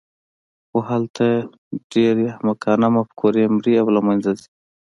خو هلته ډېرې احمقانه مفکورې مري او له منځه ځي.